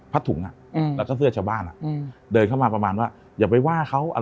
ถุงอ่ะอืมแล้วก็เสื้อชาวบ้านอ่ะอืมเดินเข้ามาประมาณว่าอย่าไปว่าเขาอะไร